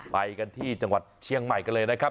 ไปกันที่จังหวัดเชียงใหม่กันเลยนะครับ